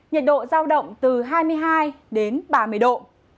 nhiệt độ giao động từ hai mươi hai đến ba mươi độ